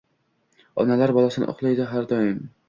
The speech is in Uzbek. Onalar bolasin uylaydi xar dam